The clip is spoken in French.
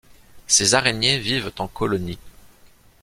Ces araignées vivent en colonie.